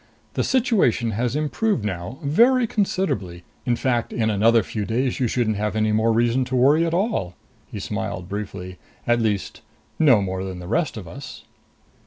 The situation has improved now, very considerably. In fact, in another few days you shouldn't have any more reason to worry at all." He smiled briefly. "At least, no more than the rest of us."